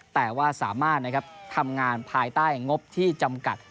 แต่ว่าสามารถทำงานภายใต้งบที่จำกัด